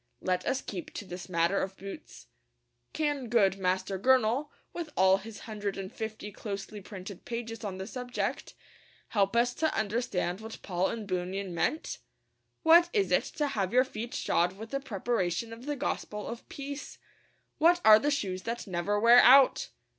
Let us keep to this matter of boots. Can good Master Gurnall, with all his hundred and fifty closely printed pages on the subject, help us to understand what Paul and Bunyan meant? What is it to have your feet shod with the preparation of the gospel of peace? What are the shoes that never wear out?